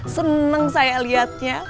seneng saya liatnya